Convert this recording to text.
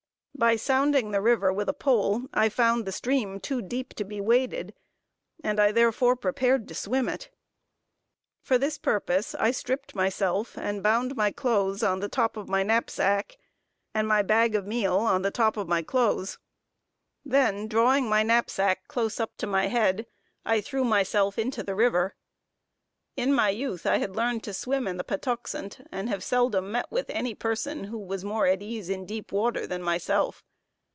By sounding the river with a pole, I found the stream too deep to be waded, and I therefore prepared to swim it. For this purpose I stripped myself, and bound my clothes on the top of my knapsack, and my bag of meal on the top of my clothes; then drawing my knapsack close up to my head. I threw myself into the river. In my youth I had learned to swim in the Patuxent, and have seldom met with any person who was more at ease in deep water than myself.